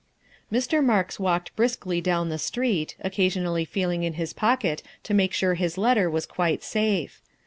Mr. Marks walked briskly down the street, occasion ally feeling in his pocket to make sure his letter was quite safe.